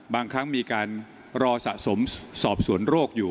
บางครั้งมีการรอสะสมสอบสวนโรคอยู่